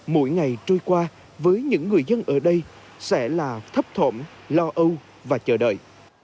mỗi ngày trôi qua với những người dân ở đây sẽ là thấp thộm lo âu và chờ đợi